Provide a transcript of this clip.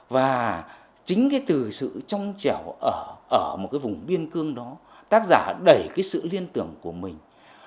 và chính cái từ sự trong chẻo ở một cái vùng biên cương đó tác giả đẩy cái sự liên tưởng của mình